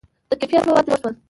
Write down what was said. • د کیفیت مواد جوړ شول.